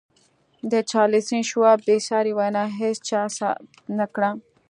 د چارليس شواب بې ساري وينا هېچا ثبت نه کړه.